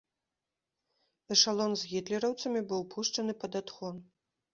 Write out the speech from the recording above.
Эшалон з гітлераўцамі быў пушчаны пад адхон.